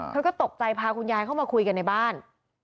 เธอก็ตกใจพาคุณยายเข้ามาคุยกันในบ้าน